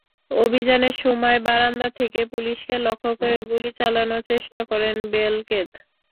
অভিযানের সময় বারান্দা থেকে পুলিশকে লক্ষ্য করে গুলি চালানোর চেষ্টা করেন বেলকেদ।